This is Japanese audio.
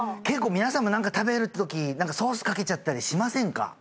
結構皆さんも何か食べるときソースかけちゃったりしませんか？